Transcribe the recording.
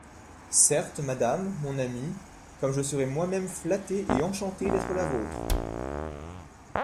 Certes, madame, mon amie, comme je serai moi-même flattée et enchantée d'être la vôtre.